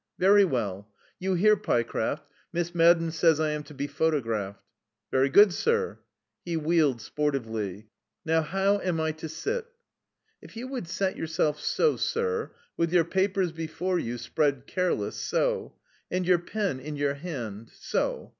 "Very well. You hear, Pyecraft, Miss Madden says I am to be photographed." "Very good, sir." He wheeled sportively. "Now how am I to sit?" "If you would set yourself so, sir. With your papers before you, spread careless, so. And your pen in your hand, so....